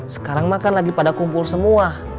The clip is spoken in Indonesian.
sekarang makan lagi pada kumpul semua